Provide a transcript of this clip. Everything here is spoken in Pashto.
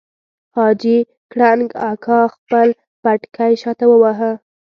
حاجي کړنګ اکا خپل پټکی شاته وواهه.